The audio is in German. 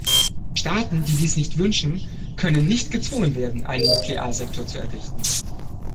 Staaten, die dies nicht wünschen, können nicht gezwungen werden, einen Nuklearsektor zu errichten.